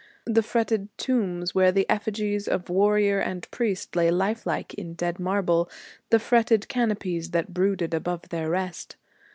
The fretted tombs where the effigies of warrior and priest lay life like in dead marble, the fretted canopies that brooded above their rest.